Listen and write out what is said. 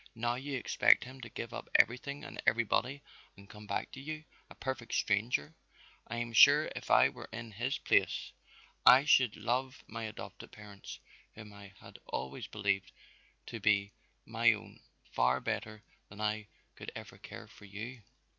Now you expect him to give up everything and everybody and come back to you, a perfect stranger. I am sure if I were in his place, I should love my adopted parents whom I had always believed to be my own far better than I could ever care for you."